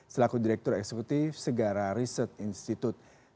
selaku direktur eksekutif segara riset institute